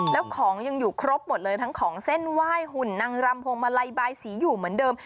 แล้วของยังอยู่ครบหมดเลยทั้งของเส้นไหว้หุ่นนางรำพวงมาลัยบายสีอยู่เหมือนเดิม